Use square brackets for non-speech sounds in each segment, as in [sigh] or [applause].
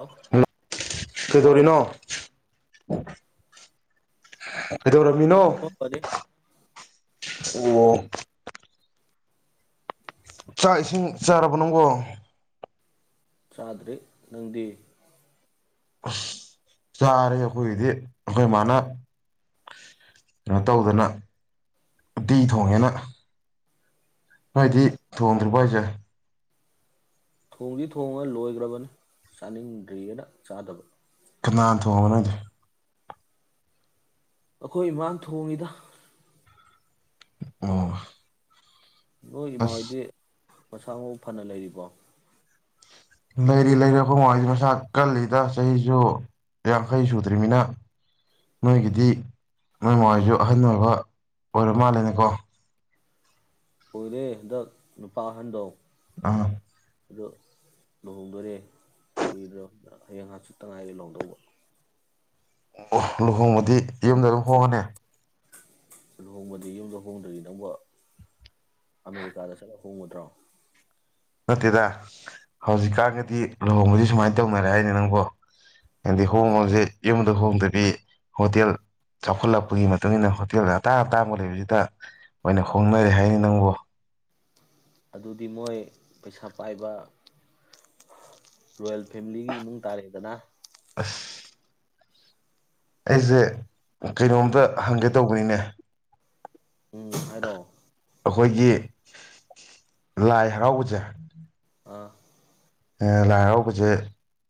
Hello ꯍꯥꯎ ꯀꯩꯗꯧꯔꯤꯅꯣ [unintelligible] ꯃꯄꯥꯃꯄꯗꯤ ꯑꯣ ꯆꯥꯛ ꯏꯁꯤꯡ ꯆꯥꯔꯕ ꯅꯪꯒꯣ ꯆꯥꯗ꯭ꯔꯦ ꯅꯪꯗꯤ ꯑ ꯆꯥꯔꯦ ꯑꯩꯈꯣꯏꯒꯤꯗꯤ ꯑꯩꯈꯣꯏ ꯃꯥꯅ ꯀꯩꯅꯣ ꯇꯧꯗꯅ ꯎꯇꯤ ꯊꯣꯡꯉꯦꯅ ꯅꯣꯏꯗꯤ ꯊꯣꯡꯗ꯭ꯔꯤꯕ ꯍꯥꯏꯁꯦ ꯊꯣꯡꯗꯤ ꯊꯣꯡꯉ ꯂꯣꯏꯈ꯭ꯔꯕꯅꯤ ꯆꯥꯅꯤꯡꯗ꯭ꯔꯔꯤꯦꯅ ꯆꯥꯗꯕ ꯀꯅꯥ ꯊꯅꯗꯤ ꯑꯩꯈꯣꯏ ꯏꯃꯥꯡ ꯊꯣꯡꯉꯤꯗ ꯑꯣ ꯅꯣꯏꯃ ꯑꯁ ꯑꯣꯏꯗꯤ ꯃꯁꯥ ꯃꯎ ꯐꯅ ꯂꯩꯔꯤꯕꯣ ꯂꯩꯔꯤ ꯂꯩꯔꯤ ꯑꯩꯈꯣꯏ ꯃꯃꯏꯁꯤ ꯃꯁꯥ ꯀꯜꯂꯤꯗ ꯆꯍꯤꯁꯨ ꯌꯥꯡꯈꯩ ꯁꯨꯗ꯭ꯔꯤꯕꯅꯤꯅ ꯅꯣꯏꯒꯤꯗꯤ ꯃꯣꯏ ꯃꯥꯏꯁꯨ ꯑꯍꯟ ꯑꯣꯏꯕ ꯑꯣꯏꯔ ꯃꯥꯜꯂꯦꯅꯦꯀꯣ ꯑꯣꯏꯔꯦ ꯍꯟꯗꯛ ꯅꯨꯄꯥ ꯑꯍꯟꯗꯣ ꯑꯥ ꯑꯗꯣ ꯂꯨꯍꯣꯡꯗꯣꯔꯦ ꯀꯨꯏꯗ꯭ꯔ ꯍꯌꯦꯡ ꯉꯆꯠꯇ ꯉꯥꯏꯔꯦ ꯂꯨꯍꯗꯧꯕ ꯑꯣ ꯂꯨꯍꯣꯡꯕꯗꯤ ꯌꯨꯝꯗ ꯑꯗꯨꯝ ꯍꯣꯡꯉꯅꯤ ꯆꯠ ꯂꯨꯍꯣꯡꯕꯗ ꯌꯨꯝꯗ ꯍꯣꯡꯗ꯭ꯔꯤ ꯅꯪꯧꯕ ꯑꯃꯦꯔꯤꯀꯥꯗ ꯆꯠꯂ ꯍꯣꯡꯉꯗ꯭ꯔꯣ ꯅꯠꯇꯦꯗ ꯍꯧꯖꯤꯛꯀꯥꯟꯒꯗꯤ ꯂꯨꯍꯣꯡꯕꯗꯤ ꯁꯨꯃꯥꯏꯅ ꯇꯧꯅꯔꯦ ꯍꯥꯏꯅꯤ ꯅꯪꯕꯣ ꯍꯥꯏꯗꯤ ꯍꯣꯡꯕꯁꯦ ꯌꯨꯝꯗ ꯍꯣꯡꯗꯕꯤ ꯍꯣꯇꯦꯜ ꯆꯥꯎꯈꯠꯂꯛꯄꯒꯤ ꯃꯇꯨꯡ ꯏ ꯃꯇꯨꯡꯏꯟꯅ ꯍꯣꯇꯦꯜ ꯑꯇꯥꯥꯡ ꯑꯇꯥꯡꯕ ꯂꯩꯕꯁꯤꯗ ꯑꯣꯏꯅ ꯍꯣꯡꯅꯔꯦ ꯍꯥꯏꯅꯤ ꯅꯪꯕꯨ ꯑꯗꯨꯗꯤ ꯃꯣꯏ ꯄꯩꯁꯥ ꯄꯥꯏꯕ ꯔꯣꯌꯦꯜ ꯐꯦꯃꯤꯂꯤꯒꯤ ꯏꯃꯨꯡ ꯇꯥꯔꯦꯗꯅ ꯑꯁ ꯑꯩꯁꯦ ꯀꯩꯅꯣꯝꯇ ꯍꯪꯒꯦ ꯇꯧꯕꯅꯤꯅꯦ ꯎꯝ ꯍꯥꯏꯔꯣ ꯑꯩꯈꯣꯏꯒꯤ ꯂꯥꯏ ꯍꯔꯥꯎꯕꯁꯦ ꯑꯥ ꯂꯥꯏ ꯍꯔꯥꯎꯕꯁꯦ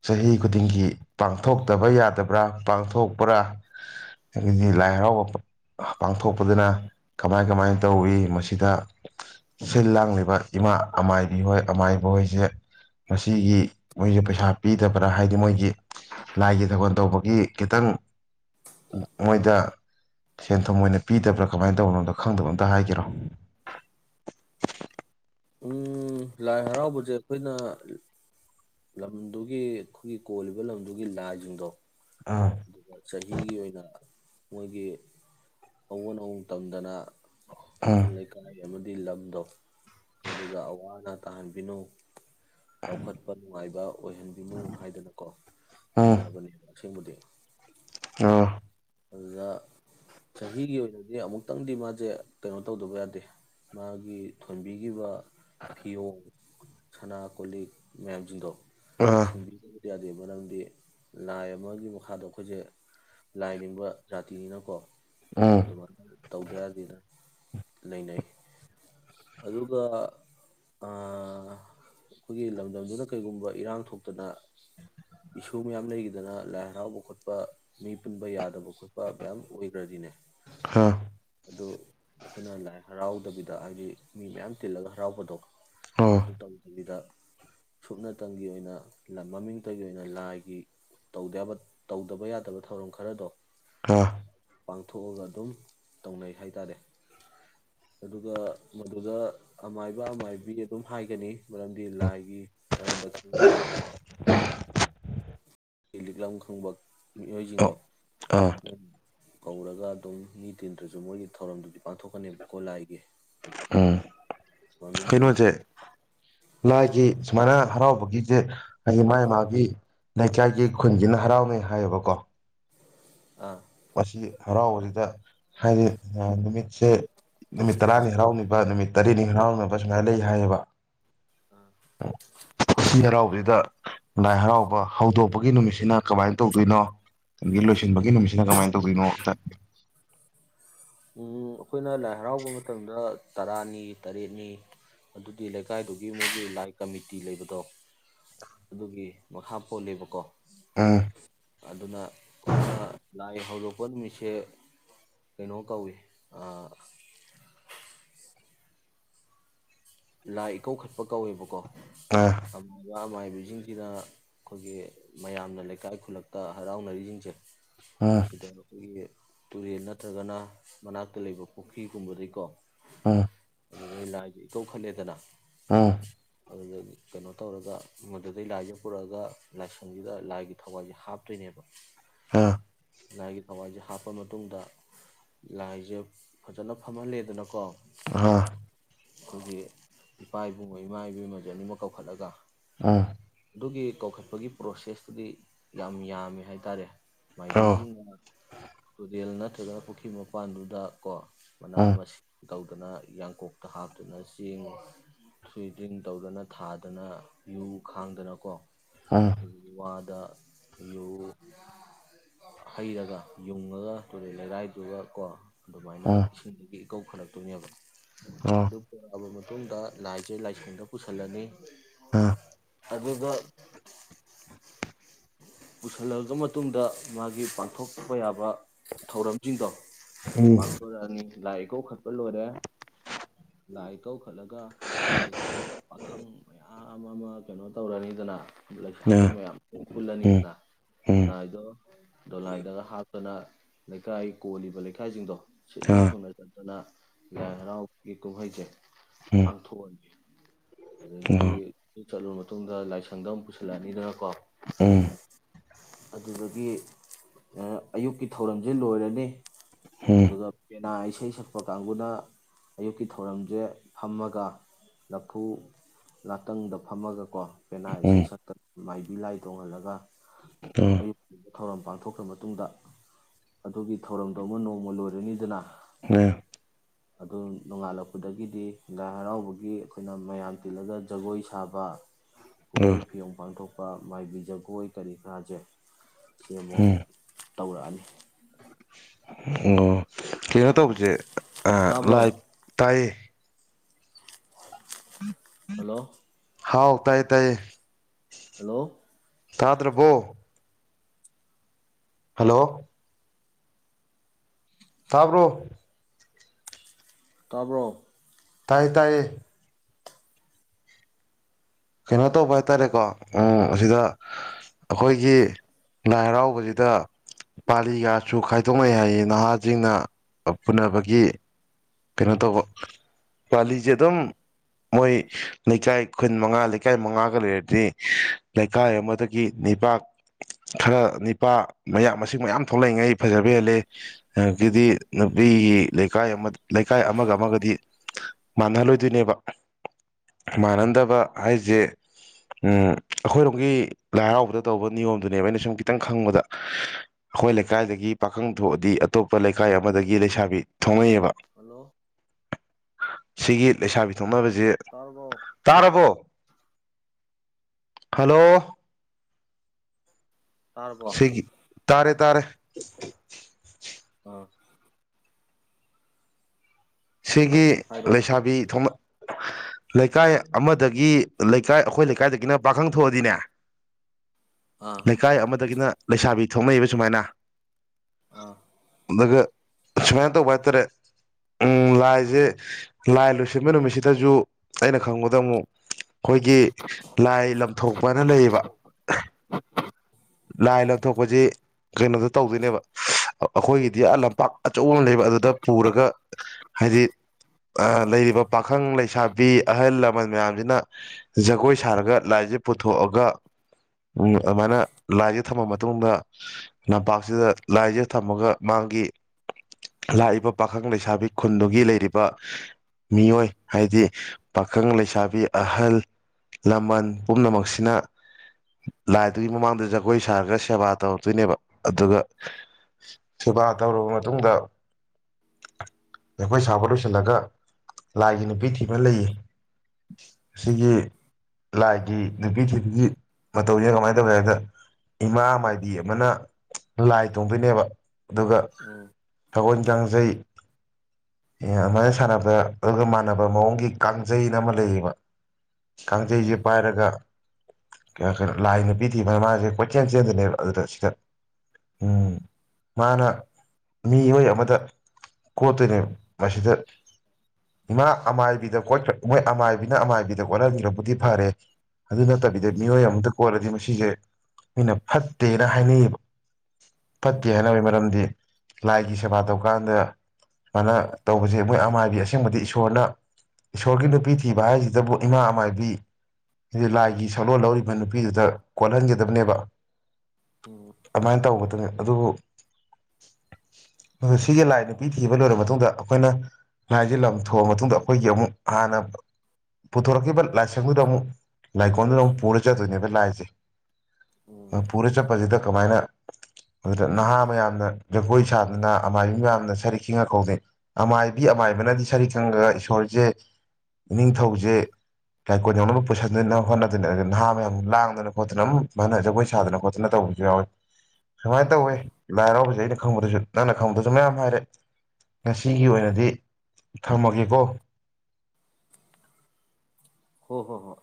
ꯆꯍꯤ ꯈꯨꯗꯤꯡꯒꯤ ꯄꯥꯡꯊꯣꯛꯇꯕ ꯌꯥꯗꯕ꯭ꯔꯥ ꯄꯥꯡꯊꯣꯛꯄ꯭ꯔꯥ ꯍꯥꯏꯗꯤ ꯂꯥꯏ ꯍꯔꯥꯎꯕ ꯄꯥꯡꯊꯣꯛꯄꯗꯨꯅ ꯀꯃꯥꯏ ꯀꯃꯥꯏꯅ ꯇꯧꯏ ꯃꯁꯤꯗ ꯁꯤꯜ ꯂꯥꯡꯂꯤꯕ ꯏꯃꯥ ꯑꯃꯥꯏꯕꯤ ꯍꯣꯏ ꯑꯃꯥꯏꯕ ꯍꯣꯏꯁꯦ ꯃꯁꯤꯒꯤ ꯃꯣꯏꯁꯦ ꯄꯩꯁꯥ ꯄꯤꯗꯕ꯭ꯔꯥ ꯍꯥꯏꯗꯤ ꯃꯣꯏꯒꯤ ꯂꯥꯏꯒꯤ ꯊꯧꯒꯟ ꯇꯧꯕꯒꯤ ꯈꯤꯇꯪ ꯃꯣꯏꯗ ꯁꯦꯟ ꯊꯨꯝ ꯑꯣꯏꯅ ꯄꯤꯗꯕ꯭ꯔꯥ ꯀꯃꯥꯏꯅ ꯇꯧꯕꯅꯣ ꯑꯝꯗ ꯈꯪꯗꯕ ꯑꯝꯇ ꯍꯥꯏꯒꯦꯔꯣ ꯎꯝ ꯂꯥꯏ ꯍꯔꯥꯎꯕꯁꯦ ꯑꯩꯈꯣꯏꯅ ꯂꯝꯗꯨꯒꯤ ꯑꯩꯈꯣꯏꯒꯤ ꯀꯣꯜꯂꯤꯕ ꯂꯝꯗꯨꯒꯤ ꯂꯥꯏꯁꯤꯡꯗꯣ ꯑꯥ ꯑꯗꯨꯒ ꯆꯍꯤꯒꯤ ꯑꯣꯏꯅ ꯃꯣꯏꯒꯤ ꯑꯋꯣꯟ ꯑꯍꯣꯡ ꯇꯝꯗꯅ ꯎꯝ ꯂꯩꯀꯥꯢ ꯑꯃꯗꯤ ꯂꯝꯗꯣ ꯃꯗꯨꯒ ꯑꯋꯥ ꯑꯅꯥ ꯇꯥꯍꯟꯕꯤꯅꯨ ꯆꯥꯎꯈꯠꯄ ꯅꯨꯡꯉꯥꯏꯕ ꯑꯣꯏꯍꯟꯕꯤꯅꯨ ꯍꯥꯏꯗꯅꯀꯣ ꯎꯝ ꯅꯤꯅꯕꯅꯦ ꯁꯦꯡꯕꯗꯤ ꯑ ꯑꯗꯨꯗ ꯆꯍꯤꯒꯤ ꯑꯣꯏꯅꯗꯤ ꯑꯃꯨꯛꯇꯪꯗꯤ ꯃꯥꯁꯦ ꯀꯩꯅꯣ ꯇꯧꯗꯕ ꯌꯥꯗꯦ ꯃꯥꯒꯤ ꯊꯣꯟꯕꯤꯈꯤꯕ ꯐꯤ ꯑꯣꯡ ꯁꯅꯥ ꯀꯣꯂꯤꯛ ꯃꯌꯥꯝꯁꯤꯡꯗꯣ ꯑ ꯁꯤꯟꯕꯤꯗꯕꯗꯤ ꯌꯥꯗꯦ ꯃꯔꯝꯗꯤ ꯂꯥꯏ ꯑꯃꯒꯤ ꯃꯈꯥꯗ ꯑꯩꯈꯣꯏꯁꯦ ꯂꯥꯏ ꯅꯤꯡ ꯖꯥꯇꯤꯅꯤꯅꯀꯣ ꯎꯡ ꯑꯗꯨꯃꯥꯏꯅ ꯇꯧꯗ ꯌꯥꯗꯦꯅ ꯂꯩꯅꯩ꯫ ꯑꯗꯨꯒ ꯑ ꯑꯩꯈꯣꯏꯒꯤ ꯂꯝꯗꯝꯗꯨꯅ ꯀꯔꯤꯒꯨꯝꯕ ꯏꯔꯥꯡ ꯊꯣꯛꯇꯅ ꯏꯁꯨ ꯃꯌꯥꯝ ꯂꯩꯈꯤꯗꯅ ꯂꯥꯏ ꯍꯔꯥꯎꯕ ꯈꯣꯠꯄ ꯃꯤ ꯄꯨꯟꯕ ꯌꯥꯗꯕ ꯈꯣꯠꯄ ꯃꯌꯥꯝ ꯑꯣꯏꯈ꯭ꯔꯗꯤꯅꯦ ꯑ ꯑꯣ ꯑꯗꯨ ꯑꯩꯈꯣꯏꯅ ꯂꯥꯢꯍ ꯍꯔꯥꯎꯗꯕꯤꯗ ꯍꯥꯏꯕꯗꯤ ꯃꯤ ꯃꯌꯥꯝ ꯇꯤꯜꯂꯒ ꯍꯔꯥꯎꯗꯕꯤꯕꯗ ꯍꯥꯢꯗꯤ ꯃꯤ ꯃꯌꯥꯝ ꯇꯤꯜꯂꯒ ꯍꯔꯥꯎꯕꯗꯣ ꯑꯗꯨ ꯇꯧꯗꯕꯤꯗ ꯁꯨꯞꯅꯇꯪꯒꯤ ꯑꯣꯏꯅ ꯃꯃꯤꯡꯇꯒꯤ ꯑꯣꯏꯅ ꯂꯥꯏꯒꯤ ꯇꯧꯕ ꯇꯧꯗꯕ ꯌꯥꯗꯕ ꯊꯧꯔꯝ ꯈꯔꯗꯣ ꯑ ꯄꯥꯡꯊꯣꯛꯑꯒ ꯑꯗꯨꯝ ꯇꯧꯅꯩ ꯍꯥꯏꯇꯥꯔꯦ ꯑꯗꯨꯒ ꯃꯗꯨꯗ ꯑꯃꯥꯏꯕ ꯑꯃꯥꯏꯕꯤ ꯑꯗꯨꯝ ꯍꯥꯏꯒꯅꯤ ꯃꯔꯝꯗꯤ ꯂꯥꯏꯒꯤ ꯃꯔꯝꯗ ꯈꯪꯕ ꯂꯤꯛꯂꯝ ꯈꯪꯕ ꯃꯤꯑꯣꯏꯁꯤꯡꯗꯣ ꯑꯥ ꯎꯝ ꯀꯧꯔꯒ ꯑꯗꯨꯝ ꯃꯤ ꯇꯤꯟꯗ꯭ꯔꯁꯨ ꯃꯣꯏꯒꯤ ꯊꯧꯔꯝꯗꯨꯗꯤ ꯄꯥꯡꯊꯣꯛꯀꯅꯦꯕꯀꯣ ꯂꯥꯏꯒꯤ ꯎꯝ ꯃꯃꯤꯡꯒꯤ ꯑꯣꯏꯅ ꯀꯩꯅꯣꯁꯦ ꯂꯥꯏꯒꯤ ꯁꯨꯃꯅ ꯍꯔꯥꯎꯕꯒꯤꯁꯦ ꯍꯥꯏꯗꯤ ꯃꯥꯒꯤ ꯃꯥꯒꯤ ꯂꯩꯀꯥꯏꯒꯤ ꯈꯨꯟꯒꯤꯅ ꯍꯔꯥꯎꯅꯩ ꯍꯥꯏꯌꯦꯕꯀꯣ ꯑꯥ ꯃꯁꯤ ꯍꯔꯥꯎꯕꯁꯤꯗ ꯍꯥꯏꯗꯤ ꯅꯨꯃꯤꯠ ꯁꯦ ꯅꯨꯃꯤꯠ ꯇꯔꯥꯅꯤ ꯍꯔꯥꯎꯅꯤꯕ ꯅꯨꯃꯤꯠ ꯇꯔꯦꯠꯅꯤ ꯍꯔꯥꯎꯅꯕ ꯁꯨꯃꯥꯏꯅ ꯂꯩ ꯍꯥꯏꯌꯦꯕ ꯎ ꯁꯤ ꯍꯔꯥꯎꯕꯁꯤꯗ ꯂꯥꯏ ꯍꯔꯥꯎꯕ ꯍꯧꯗꯣꯛꯄꯒꯤ ꯅꯨꯃꯤꯠꯁꯤꯅ ꯀꯃꯥꯏꯅ ꯇꯧꯗꯣꯏꯅꯣ ꯑꯗꯒꯤ ꯂꯣꯏꯁꯤꯟꯕꯒꯤ ꯅꯨꯃꯤꯠꯁꯤ ꯁꯤꯅ ꯀꯃꯥꯏꯅ ꯇꯧꯗꯣꯢꯅꯣ ꯇ ꯎ ꯑꯩꯈꯣꯏꯅ ꯂꯥꯏ ꯍꯔꯥꯎꯕ ꯃꯇꯝꯗ ꯇꯔꯥꯅꯤ ꯇꯔꯦꯠꯅꯤ ꯑꯗꯨꯗꯤ ꯂꯩꯀꯥꯏꯗꯨꯒꯤ ꯃꯣꯏꯒꯤ ꯂꯥꯏ ꯀꯃꯤꯇꯤ ꯂꯩꯕꯗꯣ ꯑꯗꯨꯒꯤ ꯃꯈꯥ ꯄꯣꯜꯂꯤꯕꯀꯣ ꯎꯝ ꯑꯗꯨꯅ ꯑꯩꯈꯣꯏꯅ ꯂꯥꯏ ꯍꯧꯗꯛꯄ ꯅꯨꯃꯤꯠꯁꯦ ꯀꯩꯅꯣ ꯀꯧꯏ ꯑ ꯂꯥꯏ ꯏꯀꯧꯈꯠꯄ ꯀꯧꯋꯦꯕꯀꯣ ꯑ ꯑꯃꯥꯢꯕ ꯑꯃꯥꯏ ꯁꯤꯡꯁꯤꯅ ꯑꯩꯈꯣꯏꯒꯤ ꯃꯌꯥꯝꯅ ꯂꯩꯀꯥꯏ ꯈꯨꯜꯂꯛꯇ ꯍꯔꯥꯎꯅꯔꯤꯁꯤꯡꯁꯦ ꯎꯝ ꯁꯤꯗ ꯑꯈꯣꯢꯒꯤ ꯇꯨꯔꯦꯜ ꯅꯠꯇ꯭ꯔꯒꯅ ꯃꯅꯥꯛꯇ ꯂꯩꯕ ꯄꯨꯈ꯭ꯔꯤꯒꯨꯝꯕꯗꯒꯩꯀꯣ ꯎꯝ ꯑꯗꯨꯗꯩ ꯂꯥꯢꯒꯤ ꯏꯀꯧꯈꯠꯂꯦꯗꯅ ꯑꯗꯨꯗꯒꯤ ꯀꯩꯅꯣ ꯇꯧꯔꯒ ꯃꯗꯨꯗꯩ ꯂꯥꯏꯁꯦ ꯄꯨꯔꯛꯑꯒ ꯂꯥꯏꯁꯪꯁꯤꯗ ꯂꯥꯏꯒꯤ ꯊꯋꯥꯏꯁꯦ ꯍꯥꯞꯇꯣꯏꯅꯦꯕ ꯑꯥ ꯂꯥꯏꯒꯤ ꯊꯋꯥꯏꯁꯦ ꯍꯥꯞꯄ ꯃꯇꯨꯡꯗ ꯂꯥꯏꯁꯦ ꯐꯖꯅ ꯐꯝꯍꯜꯂꯦꯗꯅꯀꯣ ꯑꯥ ꯑꯩꯈꯣꯏꯒꯤ ꯏꯄꯥ ꯏꯕꯨꯡꯉꯣ ꯏꯃꯥ ꯏꯕꯦꯝꯃꯖꯦ ꯑꯅꯤꯃꯛ ꯀꯧꯈꯠꯂꯒ ꯑꯥ ꯑꯗꯨꯒꯤ ꯀꯧꯈꯠꯄꯒꯤ ꯄ꯭ꯔꯣꯁꯦꯁꯇꯨꯗꯤ ꯌꯥꯝ ꯌꯥꯝꯃꯤ ꯍꯥꯏꯇꯥꯔꯦ ꯑꯣ ꯃꯥꯏꯕꯤꯖꯤꯡꯅ ꯇꯨꯔꯦꯜꯅꯠ ꯁꯗ ꯄꯨꯈ꯭ꯔꯤ ꯃꯄꯥꯟꯗꯨꯗ ꯀꯣ ꯎꯝ ꯃꯅꯥꯃ ꯑꯁꯤ ꯇꯧꯗꯅ ꯌꯥꯡꯀꯣꯛꯇ ꯍꯥꯞꯇꯨꯅ ꯆꯦꯡ ꯊꯨꯏꯗ꯭ꯔꯤꯡ ꯇꯧꯗꯅ ꯊꯥꯗꯅ ꯌꯨ ꯈꯥꯡꯗꯅꯀꯣ ꯎꯝ ꯎꯝ ꯈꯣꯢꯒꯤ ꯋꯥꯗ ꯌꯨ ꯍꯩꯔꯒ ꯌꯨꯡꯉꯒ ꯇꯨꯔꯦꯟ ꯂꯩꯔꯥꯏꯗꯨꯒ ꯀꯣ ꯑꯗꯨꯃꯥꯏꯅ ꯏꯁꯤꯡꯗꯒꯤ ꯀꯧꯈꯠꯂꯛꯇꯣꯏꯅꯦꯕ ꯑꯣ ꯑ ꯑꯗꯨ ꯄꯣꯔꯛꯑꯕ ꯃ ꯃꯇꯨꯡꯗ ꯂꯥꯏꯁꯦ ꯂꯥꯏꯁꯪꯗ ꯄꯨꯁꯤꯜꯂꯅꯤ ꯑꯥ ꯑꯗꯨꯗ ꯄꯨꯁꯜꯂꯛꯂꯕ ꯃꯇꯨꯡꯗ ꯃꯥꯒꯤ ꯄꯥꯡꯊꯣꯛꯄ ꯌꯥꯕ ꯊꯧꯔꯝꯁꯤꯡꯗꯣ ꯎꯝ ꯎꯝ ꯑ ꯎꯝ ꯑꯣ ꯎꯝ ꯎꯝ ꯄꯥꯡꯊꯣꯔꯛꯑꯅꯤ ꯂꯥꯢ ꯏꯀꯧꯈꯠꯄ ꯂꯣꯏꯔꯦ ꯂꯥꯏ ꯏꯀꯧ ꯄꯨꯈꯠꯂꯒ ꯂꯩꯀꯥꯏꯒꯤ ꯄꯥꯈꯪ ꯌꯥꯝ ꯑꯃ ꯀꯩꯅꯣ ꯇꯧꯔꯅꯤꯗꯅ ꯂꯩꯁꯥꯕꯤ ꯃꯌꯥꯝ ꯑꯃ ꯄꯨꯜꯂꯅꯤꯗꯅ ꯉꯥꯏꯗꯣ ꯗꯣꯂꯥꯏꯗꯒꯞ ꯑꯗꯨꯅ ꯂꯩꯀꯥꯏ ꯀꯣꯜꯂꯤꯕ ꯂꯩꯀꯥꯏꯁꯤꯡꯗꯣ ꯁꯤ ꯅꯤꯡ ꯊꯅ ꯑꯗꯨꯅ ꯂꯥꯏ ꯍꯔꯥꯎꯕꯒꯤ ꯀꯨꯝꯍꯩꯁꯦ ꯄꯥꯡꯊꯣꯛꯍꯟꯒ ꯑꯗꯒꯤꯗꯤ ꯆꯠꯂꯕ ꯃꯇꯨꯡꯗ ꯂꯥꯏꯁꯪꯗ ꯑꯃꯨ ꯄꯨꯁꯜꯂꯛꯑꯅꯤꯗꯅ ꯀꯣ ꯎꯝ ꯑꯗꯨꯗꯒꯤ ꯑꯌꯨꯛꯀꯤ ꯊꯧꯔꯝꯁꯦ ꯂꯣꯏꯔꯅꯤ ꯑꯗꯨꯒ ꯄꯦꯅꯥ ꯏꯁꯩ ꯁꯛꯄ ꯀꯥꯡꯕꯨꯅ ꯑꯌꯨꯛꯀꯤ ꯊꯧꯔꯝꯁꯦ ꯐꯝꯃꯒ ꯂꯐꯨ ꯉꯥꯛꯇꯪꯗ ꯐꯝꯃꯒꯀꯣ ꯄꯦꯅꯥ ꯎꯝ ꯑꯣ ꯏꯁꯩ ꯁꯛꯇ ꯃꯥꯏꯕꯤ ꯂꯥꯏ ꯇꯣꯡꯍꯜꯂꯒ ꯑꯌꯨꯛꯕ ꯊꯧꯔꯝ ꯄꯥꯡꯊꯣꯛꯈ꯭ꯔ ꯃꯇꯨꯡꯗ ꯑꯗꯨꯒꯤ ꯊꯧꯔꯝꯗꯣ ꯑꯃ ꯅꯣꯡꯃ ꯂꯣꯏꯔꯅꯤꯗꯅ ꯑ ꯑꯗꯨ ꯅꯣꯡꯉꯥꯜꯂꯛꯄꯗꯒꯤꯗꯤ ꯂꯥꯏ ꯍꯔꯥꯎꯕꯒꯤ ꯑꯩꯈꯣꯏꯅ ꯃꯌꯥꯝ ꯇꯤꯜꯂꯒ ꯖꯒꯣꯏ ꯁꯥꯕ ꯑ ꯑ ꯀꯨꯝꯍꯩ ꯐꯤꯌꯣꯡ ꯄꯥꯡꯊꯣꯛꯄ ꯃꯥꯏꯕꯤ ꯖꯒꯣꯏ ꯀꯔꯤ ꯀꯔꯥꯁꯦ ꯁꯦꯝꯃ ꯑꯣ ꯎꯝ ꯇꯧꯔꯛꯑꯅꯤ ꯑꯣ ꯀꯩꯅꯣ ꯇꯧꯕꯁꯦ ꯇꯥꯕ꯭ꯔꯣ ꯂꯥꯏ ꯇꯥꯏꯌꯦ ꯍꯜꯂꯣ ꯍꯥꯎ ꯇꯥꯏ ꯇꯥꯏꯌꯦ ꯍꯜꯂꯣ ꯊꯥꯗ꯭ꯔꯕꯣ ꯍꯜꯂꯣ ꯊꯥꯕ꯭ꯔꯣ ꯇꯥꯕ꯭ꯔꯣ ꯇꯥꯏꯌꯦ ꯇꯥꯏꯌꯦ ꯀꯩꯅꯣ ꯇꯧꯕ ꯍꯥꯏ ꯇꯔꯦꯀꯣ ꯑꯁꯤꯗ ꯑꯩꯈꯣꯏꯒꯤ ꯂꯥꯏ ꯍꯔꯥꯎꯕꯁꯤꯗ ꯄꯥꯂꯤꯒꯁꯨ ꯈꯥꯏꯗꯣꯛꯅꯩ ꯍꯥꯏꯌꯦ ꯅꯍꯥꯁꯤꯡꯅ ꯄꯨꯅꯕꯒꯤ ꯀꯩꯅꯣ ꯇꯧꯕ ꯄꯥꯂꯤꯁꯦ ꯑꯗꯨꯝ ꯃꯣꯏ ꯂꯩꯀꯥꯏ ꯈꯨꯟ ꯃꯉꯥ ꯂꯩꯀꯥꯏ ꯃꯉꯥꯒ ꯂꯩꯔꯗꯤ ꯂꯩꯀꯥꯏ ꯑꯃꯗꯒꯤ ꯅꯤꯄꯥꯛ ꯈꯔ ꯅꯤꯄꯥ ꯃꯌꯥꯝ ꯃꯁꯤꯡ ꯃꯌꯥꯝ ꯊꯣꯛꯂꯛꯏꯉꯩ ꯐꯖꯕ ꯍꯦꯜꯂꯦ ꯑꯗꯒꯤꯗꯤ ꯅꯨꯄꯤꯒꯤ ꯂꯩꯀꯥꯏ ꯑꯃ ꯂꯩꯀꯥꯏ ꯑꯃꯒ ꯑꯃꯒꯗꯤ ꯃꯥꯟꯅꯍꯜꯂꯣꯏꯗꯣꯏꯅꯦꯕ ꯃꯥꯟꯅꯍꯟꯗꯕ ꯍꯥꯏꯁꯦ ꯎ ꯑꯩꯈꯣꯏꯔꯣꯝꯒꯤ ꯂꯥꯏꯔꯥꯎꯕꯗ ꯇꯧꯕ ꯅꯤꯌꯣꯝꯗꯨꯅꯦꯕ ꯑꯩꯅ ꯁꯨꯝ ꯈꯤꯇꯪ ꯈꯪꯕꯗ ꯑꯩꯈꯣꯏ ꯂꯩꯀꯥꯏꯗꯒꯤ ꯄꯥꯈꯪ ꯊꯣꯛꯑꯗꯤ ꯑꯇꯣꯞꯄ ꯂꯩꯀꯥꯏ ꯑꯃꯗꯒꯤ ꯂꯩꯁꯥꯕꯤ ꯊꯣꯛꯉꯛꯩꯑꯌꯦꯕ ꯍꯂꯣ ꯁꯤꯒꯤ ꯂꯩꯁꯥꯕꯤ ꯊꯝꯅꯅꯕꯁ ꯇꯥꯔꯕꯣ ꯇꯥꯔꯕꯣ ꯍꯂꯣ ꯇꯥꯔꯕꯣ ꯇꯥꯔꯦ ꯇꯥꯔꯦ ꯑ ꯁꯤꯒꯤ ꯍꯥꯏꯔꯣ ꯍꯥꯏꯔꯣ ꯂꯩꯁꯥꯕꯤ ꯊ ꯂꯩꯀꯥꯏ ꯑꯃꯗꯒꯤ ꯂꯩꯀꯥꯏ ꯑꯩꯈꯣꯏ ꯂꯩꯀꯥꯏꯗꯒꯤꯅ ꯄꯥꯈꯪ ꯊꯣꯛꯑꯗꯤꯅꯦ ꯑꯥ ꯂꯩꯀꯥꯏ ꯑꯃꯗꯒꯤꯅ ꯂꯩꯁꯥꯕꯤ ꯊꯣꯛꯅꯏꯕ ꯁꯨꯃꯥꯏꯅ ꯑꯥ ꯑꯗꯨꯒ ꯃꯅ ꯇꯧ ꯋꯥꯏ ꯇꯔꯦ ꯎꯝ ꯂꯥꯏꯁꯦ ꯂꯥꯏ ꯂꯣꯏꯁꯤꯟꯕ ꯅꯨꯃꯤꯠꯁꯤꯗꯁꯨ ꯑꯩꯅ ꯈꯪꯕꯗ ꯑꯃꯨꯛ ꯑꯩꯈꯣꯏꯒꯤ ꯂꯥꯏ ꯂꯝꯊꯣꯛꯄꯅ ꯂꯩꯕ ꯂꯥꯏ ꯂꯧꯊꯣꯛꯄꯁꯤ ꯀꯩꯅꯣꯗ ꯇꯧꯗꯣꯏꯅꯦꯕ ꯑꯩꯈꯣꯏꯒꯤꯗꯤ ꯂꯝꯄꯥꯛ ꯑꯆꯧꯕ ꯑꯃ ꯂꯩꯕ ꯑꯗꯨꯗ ꯄꯨꯔꯒ ꯍꯥꯏꯗꯤ ꯂꯩꯔꯤꯕ ꯄꯥꯈꯪ ꯂꯩꯁꯥꯕꯤ ꯑꯍꯜ ꯂꯃꯟ ꯃꯌꯥꯝꯁꯤꯅ ꯖꯒꯣꯏ ꯁꯥꯔꯒ ꯂꯥꯏꯁꯦ ꯄꯨꯊꯣꯛꯑꯒ ꯑꯗꯨꯃꯥꯏꯅ ꯂꯥꯏꯁꯦ ꯊꯝꯃ ꯃꯇꯨꯡꯗ ꯂꯝꯄꯥꯛꯁꯤꯗ ꯂꯥꯏꯁꯦ ꯊꯝꯃꯒ ꯃꯥꯒꯤ ꯂꯥꯛꯏꯕ ꯄꯥꯈꯪ ꯂꯩꯁꯥꯕꯤ ꯈꯨꯟꯗꯨꯒꯤ ꯂꯩꯔꯤꯕ ꯃꯤꯑꯣꯏ ꯍꯥꯏꯗꯤ ꯄꯥꯈꯪ ꯂꯩꯁꯥꯕꯤ ꯑꯍꯜ ꯂꯃꯟ ꯄꯨꯝꯅꯃꯛꯁꯤꯅ ꯂꯥꯏꯗꯨꯒꯤ ꯃꯃꯥꯡꯗ ꯑꯩꯈꯣꯏ ꯁꯥꯔꯒ ꯁꯦꯕꯥ ꯇꯧꯔꯛꯇꯣꯏꯅꯦꯕ ꯑꯗꯨꯒ ꯁꯦꯕꯥ ꯇꯧꯔꯕ ꯃꯇꯨꯡꯗ ꯑꯩꯈꯣꯏ ꯁꯥꯕ ꯂꯣꯏꯁꯤꯜꯂꯒ ꯂꯥꯏꯒꯤ ꯅꯨꯄꯤ ꯊꯤ ꯑꯃ ꯂꯩꯌꯦ ꯑꯁꯤꯒꯤꯒꯤ ꯂꯥꯏꯒꯤ ꯅꯨꯄꯤ ꯊꯤꯕꯒꯤ ꯃꯇꯧꯁꯤꯅ ꯀꯃꯥꯏꯅ ꯇꯧꯒꯦ ꯍꯥꯏꯕꯗ ꯏꯃꯥ ꯃꯥꯏꯕꯤ ꯑꯃꯅ ꯂꯥꯏ ꯇꯣꯡꯗꯣꯏꯅꯦꯕ ꯑꯗꯨꯒ ꯎꯝ ꯁꯒꯣꯜ ꯀꯥꯡꯖꯩ ꯑꯗꯨꯃꯥꯏꯅ ꯁꯥꯟꯅꯕ ꯑꯗꯨꯒ ꯃꯥꯟꯅꯕ ꯃꯑꯣꯡꯒꯤ ꯀꯥꯡꯖꯅ ꯑꯃ ꯂꯩꯌꯦꯕ ꯎꯝ ꯀꯥꯡꯖꯩꯁꯦ ꯄꯥꯏꯔꯒ ꯀꯌꯥꯔ ꯂꯥꯏ ꯅꯨꯄꯤ ꯊꯤꯕꯩ ꯃꯥꯁꯦ ꯀꫭꯏ ꯆꯦꯟ ꯆꯦꯟꯗꯅꯦꯕ ꯑꯗꯨꯗ ꯁꯤꯗ ꯎ ꯃꯥꯅ ꯃꯤꯑꯣꯏ ꯑꯃꯗ ꯀꯣꯠꯇꯣꯏꯅꯦꯕ ꯃꯁꯤꯗ ꯏꯃꯥ ꯑꯃꯥꯏꯕꯤꯗ ꯀꯣꯈ꯭ꯔ ꯃꯣꯏ ꯑꯃꯥꯏꯕꯤꯅ ꯑꯃꯥꯏꯕꯤꯗ ꯀꯠꯍꯟꯈ꯭ꯔꯕꯨꯗꯤ ꯐꯔꯦ ꯑꯗꯨ ꯅꯠꯇꯕꯤꯗ ꯎꯝ ꯃꯤꯑꯣꯏ ꯑꯃꯇ ꯀꯣꯜꯂꯗꯤ ꯁꯤꯁꯦ ꯃꯤꯅ ꯐꯠꯇꯦꯅ ꯍꯥꯏꯅꯩꯌꯦꯕ ꯐꯠꯇꯦ ꯎꯝ ꯍꯥꯏꯅ ꯃꯔꯝꯗꯤ ꯂꯥꯏꯒꯤ ꯁꯦꯕꯥ ꯇꯧꯀꯥꯟꯗ ꯁꯨꯃꯥꯏꯅ ꯇꯧꯕꯁꯦ ꯃꯣꯏ ꯑꯃꯥꯏꯕꯤ ꯑꯁꯦꯡꯕꯗꯤ ꯏꯁꯣꯔꯅ ꯏꯁꯣꯔꯒꯤ ꯅꯨꯄꯤ ꯊꯤꯕ ꯍꯥꯏꯁꯤꯗꯕꯨ ꯏꯃꯥ ꯑꯃꯥꯏꯕꯤ ꯂꯥꯏꯒꯤ ꯁꯛꯂꯣꯟ ꯂꯧꯔꯤꯕ ꯅꯨꯄꯤꯗꯨꯗ ꯀꯣꯜꯍꯟꯒ [unintelligible] ꯎꯝ ꯑꯗꯨꯃꯥꯏꯅ ꯇꯧꯕꯗ ꯑꯗꯨꯕꯨ ꯑ ꯁꯤꯒꯤ ꯂꯥꯏ ꯅꯨꯄꯤ ꯊꯤꯕ ꯂꯣꯏꯔꯕ ꯃꯇꯨꯡꯗ ꯑꯩꯈꯣꯏꯅ ꯂꯥꯏꯁꯦ ꯂꯝꯊꯣꯛꯑ ꯃꯇꯨꯡꯗ ꯑꯩꯈꯣꯏꯒꯤ ꯑꯃꯨꯛ ꯍꯥꯟꯅ ꯄꯨꯊꯣꯔꯛꯈꯤꯕ ꯂꯥꯏꯁꯪꯗꯨꯗ ꯑꯃꯨꯛ ꯂꯥꯏꯀꯣꯟꯗꯨꯗ ꯑꯃꯨꯛ ꯄꯨꯔ ꯆꯠꯇꫭꯏꯅꯦꯕ ꯂꯥꯏꯖꯦ ꯎꯝ ꯑ ꯄꯨꯔ ꯆꯠꯄꯖꯤꯗ ꯀꯃꯥꯏꯅ ꯑꯗꯨꯗ ꯅꯍꯥ ꯃꯌꯥꯝꯅ ꯖꯒꯣꯏ ꯁꯥꯗꯅ ꯑꯃꯥꯏꯕꯤ ꯃꯌꯥꯝꯅ ꯁꯔꯤꯛ ꯈꯤꯡꯉ ꯀꯧꯗꯩ ꯑꯃꯥꯏꯕꯤ ꯑꯃꯥꯏꯕꯅꯗꯤ ꯁꯔꯤ ꯈꯪꯉꯒ ꯏꯁꯣꯔꯖꯩ ꯏꯅꯤꯡꯊꯧꯖꯦ ꯂꯥꯏꯀꯣꯅꯨꯡ ꯌꯧꯅꯕ ꯄꯨꯁꯤꯟꯗꯅꯕ ꯍꯣꯠꯅꯗꯅ ꯑꯗꯨꯒ ꯅꯍꯥ ꯃꯌꯥꯝꯖꯦ ꯂꯥꯡꯗꯅ ꯈꯣꯠꯇꯅ ꯑ ꯃꯥꯏ ꯃꯥꯏ ꯖꯒꯣꯏ ꯁꯥꯗꯅ ꯈꯣꯠꯇꯅ ꯇꯧꯕꯁꯨ ꯌꯥꯎꯋꯦ ꯁꯨꯃꯥꯏꯅ ꯇꯧꯋꯦ ꯎꯝ ꯂꯥꯏꯍꯥꯔꯥꯎꯕꯖꯦ ꯑꯩꯅ ꯈꯪꯕꯗꯁꯨ ꯅꯪꯅ ꯈꯪꯕꯗꯁꯨ ꯃꯌꯥꯝ ꯍꯥꯏꯔꯦ ꯉꯁꯤꯒꯤ ꯎꯝ ꯑꯣꯏꯅꯗꯤ ꯊꯝꯃꯒꯦꯀꯣ ꯍꯣꯏ ꯍꯣ ꯍꯣꯏ